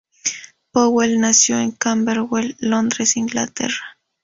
Powell nació en Camberwell, Londres, Inglaterra.